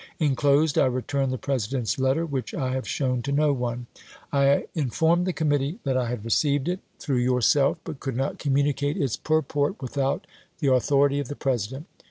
Inclosed I return the President's letter, which I have shown to no one. I NEGEO SOLDIEES 459 informed tlie committee that I had received it, through cuap.xx. yourself, but could not communicate its purport without the authority of the President.